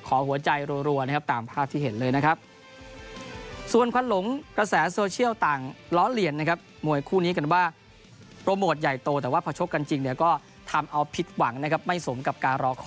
กันจริงก็ทำเอาผิดหวังนะครับไม่สมกับการรอคอย